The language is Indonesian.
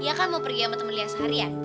dia kan mau pergi sama temen lia seharian